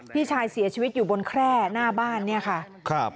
พี่ชายเสียชีวิตอยู่บนแคร่หน้าบ้านเนี่ยค่ะครับ